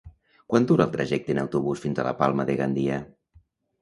Quant dura el trajecte en autobús fins a Palma de Gandia?